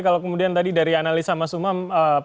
kalau kemudian tadi dari analisa mas umam